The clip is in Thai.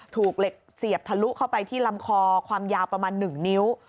ถูกเหล็กเสียบทะลุเข้าไปที่ลำคอความยาวประมาณ๑นิ้ว